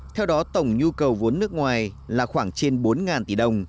theo đó tổng nhu cầu vốn nước ngoài là khoảng trên bốn tỷ đồng